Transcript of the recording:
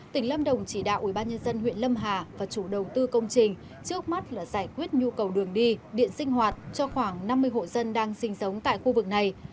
tỉnh lâm đồng chỉ đạo ubnd huyện lâm hà và chủ đầu tư công trình trước mắt là giải quyết nhu cầu đường đi điện sinh hoạt cho khoảng năm mươi hộ dân đang sinh sống tại khu vực này